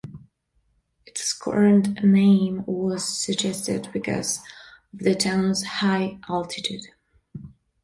Its current name was suggested because of the town's high altitude.